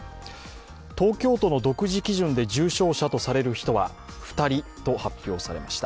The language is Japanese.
東京都の独自基準で重症者とされる人は２人と発表されました。